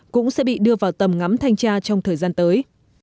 cũng sẽ bị đưa vào tầm ngắm thanh tra trong thời gian tới